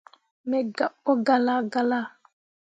Me gabɓo galla galla.